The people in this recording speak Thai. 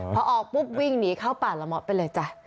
พอออกปุ๊บวิ่งหนีเข้าป่าละเมาะไปเลยจ้ะ